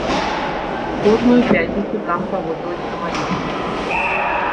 Кожную пятніцу там праводзілася малітва.